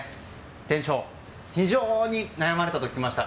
店長、非常に悩まれたと聞きました。